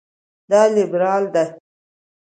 دا لېبرال ده.